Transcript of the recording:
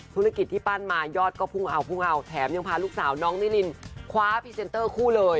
ธุรกิจที่ปั้นมายอดก็พุ่งเอาพุ่งเอาแถมยังพาลูกสาวน้องนิรินคว้าพรีเซนเตอร์คู่เลย